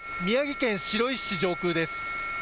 宮城県白石市上空です。